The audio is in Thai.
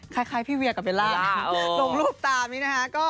คล้ายพี่เวียกกับเวลาลงรูปตามนี้นะฮะ